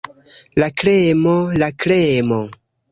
La kremo, la kremo!